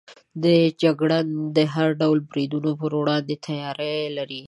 جګړن د هر ډول بریدونو پر وړاندې تیاری لري.